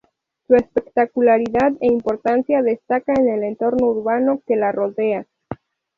Su espectacularidad e importancia destaca en el entorno urbano que la rodea.